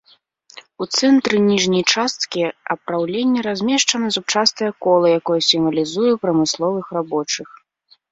У цэнтры ніжняй часткі апраўлення размешчана зубчастае кола, якое сімвалізуе прамысловых рабочых.